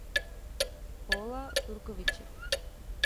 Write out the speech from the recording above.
Paula Turkovitche.